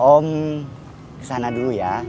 om kesana dulu ya